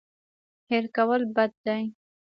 هېر کول بد دی.